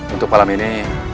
untuk malam ini